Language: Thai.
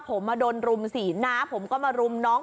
ผมมาโดนรุมสิน้าผมก็มารุมน้อง